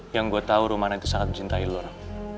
yang gue tau rumana itu sangat mencintai lo